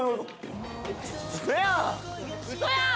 ウソやん！